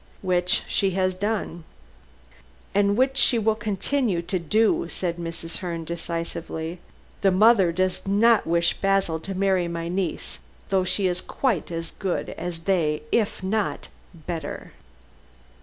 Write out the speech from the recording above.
"Which she has done." "And which she will continue to do," said Mrs. Herne decisively; "the mother does not wish Basil to marry my niece, though she is quite as good as they if not better."